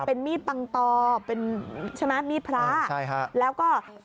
เป็นมีดปังต่อใช่ไหมมีดพระแล้วก็ใช่ค่ะ